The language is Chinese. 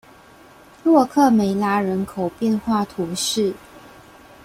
洛克梅拉人口变化图示